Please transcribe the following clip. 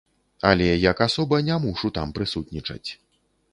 Але як асоба не мушу там прысутнічаць.